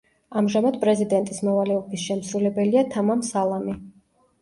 ამჟამად პრეზიდენტის მოვალეობის შემსრულებელია თამამ სალამი.